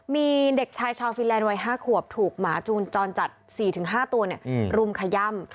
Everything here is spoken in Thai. มีเด็กชายชาวฟิลแรน๕ขวบถูกหมาจูลจรจัด๔๕ตัวรุมไขย่ม